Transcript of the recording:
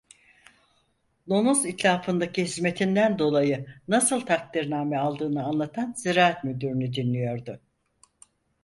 Domuz itlafındaki hizmetinden dolayı nasıl takdirname aldığını anlatan ziraat müdürünü dinliyordu.